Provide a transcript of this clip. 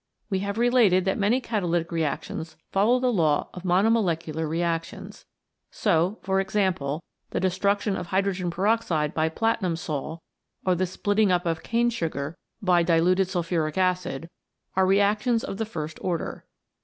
We have related that many catalytic reactions follow the law of monomolecular reac tions. So, for example, the destruction of hydrogen peroxide by platinum sol, or the splitting up of cane io5 CATALYSIS AND THE ENZYMES sugar by diluted sulphuric acid, are reactions of the first order.